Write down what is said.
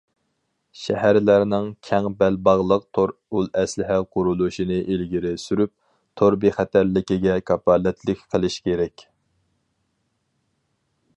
شەھەرلەرنىڭ كەڭ بەلباغلىق تور ئۇل ئەسلىھە قۇرۇلۇشىنى ئىلگىرى سۈرۈپ، تور بىخەتەرلىكىگە كاپالەتلىك قىلىش كېرەك.